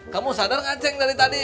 kamu sadar gak ceng dari tadi